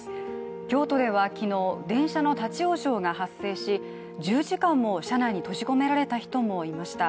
京都では昨日、電車の立往生が発生し１０時間も車内に閉じ込められた人がいました。